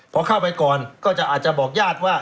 พอเข้าไปก่อนก็จะอาจจะบอกญาติว่า